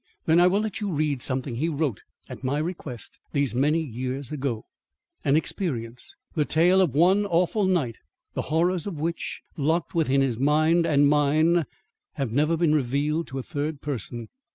"Then I will let you read something he wrote at my request these many years ago: An experience the tale of one awful night, the horrors of which, locked within his mind and mine, have never been revealed to a third person.